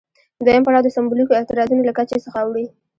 دویم پړاو د سمبولیکو اعتراضونو له کچې څخه اوړي.